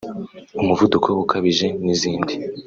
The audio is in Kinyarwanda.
umuvuduko ukabije n’izindi”